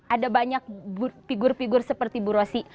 ada banyak figur figur seperti bu rosi